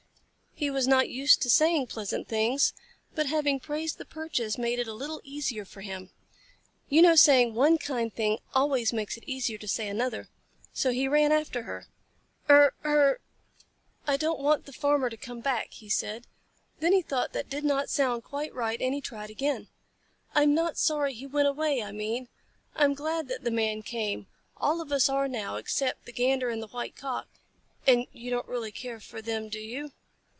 He was not used to saying pleasant things, but having praised the perches made it a little easier for him. You know saying one kind thing always makes it easier to say another. So he ran after her. "Er er! I don't want the Farmer to come back," he said. Then he thought that did not sound quite right and he tried again. "I'm not sorry he went away. I mean I'm glad that the Man came. All of us are now, except the Gander and the White Cock, and you don't really care for them, do you?"